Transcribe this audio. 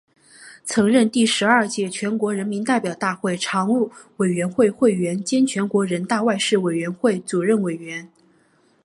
曾任第十二届全国人民代表大会常务委员会委员兼全国人大外事委员会主任委员。